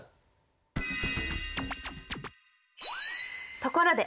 ところで！